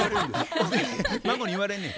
孫に言われんねや。